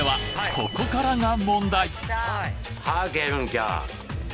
ここからが問題